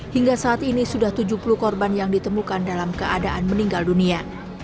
hingga saat ini sudah tujuh puluh korban yang ditemukan dalam keadaan meninggal dunia